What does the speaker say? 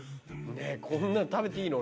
こんな食べていいの？